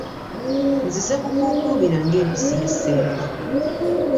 Nzize bukuukuubira ng'empisi y'e Ssempa.